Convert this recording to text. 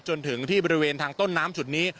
จนถึงที่บริเวณทางต้นน้ำจุดนี้